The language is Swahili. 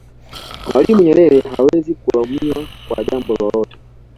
mwalimu nyerere hawezi kulaumiwa kwa jambo lolote